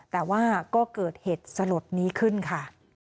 แต่ว่าก็เกิดเหตุสลดนี้ขึ้นค่ะ